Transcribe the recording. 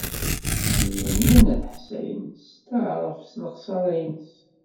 Setti Lyamina n At Ḥsayen testeɛṛef s lexṣara-nnes.